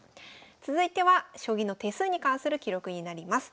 続いては将棋の手数に関する記録になります。